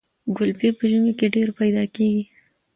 ګلپي په ژمي کې ډیر پیدا کیږي.